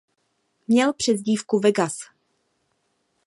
Měl přezdívku Vegas.